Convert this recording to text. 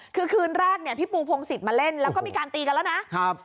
คือคืนแรกเนี่ยพี่ปูพงศิษย์มาเล่นแล้วก็มีการตีกันแล้วนะครับ